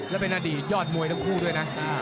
และเป็นอดีตยอดมวยทั้งคู่ด้วยนะ